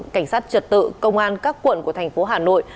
cảnh sát trật tự công an các quận của thành phố hà nội